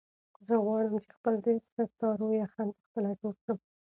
زه غواړم چې خپل د ستارو یخن په خپله جوړ کړم.